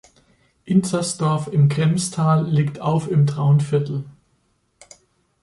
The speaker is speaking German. Inzersdorf im Kremstal liegt auf im Traunviertel.